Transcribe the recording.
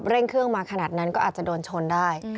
เร่งเครื่องมาขนาดนั้นก็อาจจะโดนชนได้